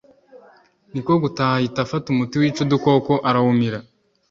niko gutaha ahita afata umuti wica udukoko arawumira